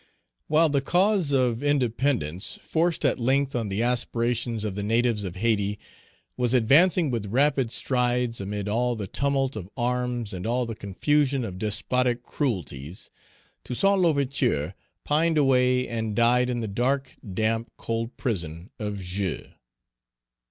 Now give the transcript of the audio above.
WHILE the cause of independence, forced at length on the aspirations of the natives of Hayti, was advancing with rapid strides amid all the tumult of arms and all the confusion of despotic cruelties, Toussaint L'Ouverture pined away and died in the dark, damp, cold prison of Joux.